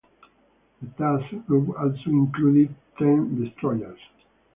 The task group also included ten destroyers.